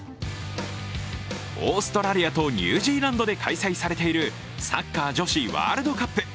オーストラリアとニュージーランドで開催されているサッカー女子ワールドカップ。